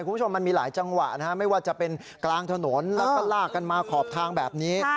คุณผู้ชมมันมีหลายจังหวะนะฮะไม่ว่าจะเป็นกลางถนนแล้วก็ลากกันมาขอบทางแบบนี้